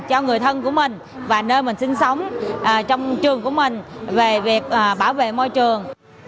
cho người thân của mình và nơi mình sinh sống trong trường của mình về việc bảo vệ môi trường